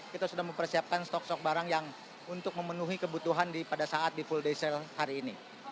kita sudah mempersiapkan stok stok barang yang untuk memenuhi kebutuhan pada saat di full day sale hari ini